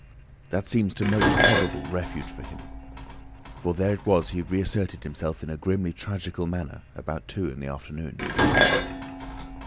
That seems the most probable refuge for him, for there it was he re asserted himself in a grimly tragical manner about two in the afternoon.